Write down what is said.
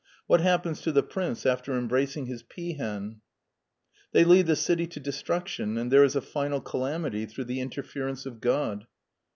What happens to the prince after embracing his peahen ?"" They lead the city to destruction, and there is a final calamity through the interference of God."